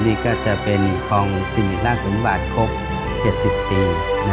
นี่ก็จะเป็นทองสิริราชสมบัติครบ๗๐ปี